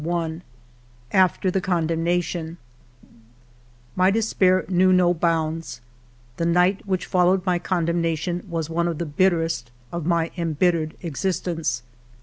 IV AFTER THE CONDEMNATION MY despair knew no bounds ; the night which followed my condemnation was one of the bitterest of my embittered existence.